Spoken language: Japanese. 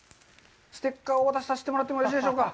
ステッカーをお渡しさせてもらってもいいでしょうか。